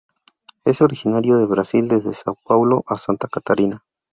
Es originario de Brasil desde São Paulo a Santa Catarina.